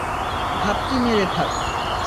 ঘাপটি মেরে থাক।